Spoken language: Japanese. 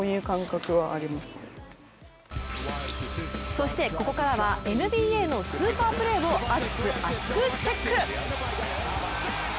そしてここからはＮＢＡのスーパープレーを熱く、厚くチェック！